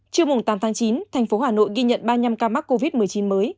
trưa tám tháng chín thành phố hà nội ghi nhận ba mươi năm ca mắc covid một mươi chín mới